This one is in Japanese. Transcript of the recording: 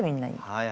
はい！